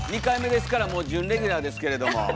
２回目ですからもう準レギュラーですけれども。